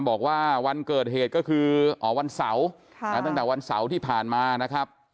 บอกว่าวันเกิดเหตุก็คือวันเสาร์ตั้งแต่วันเสาร์ที่ผ่านมานะครับ